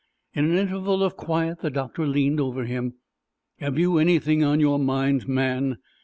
In an interval of quiet the doctor leaned over him. "Have you anything on your mind, man?